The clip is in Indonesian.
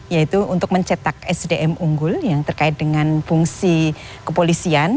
yaitu untuk mencetak sdm unggul yang terkait dengan fungsi kepolisian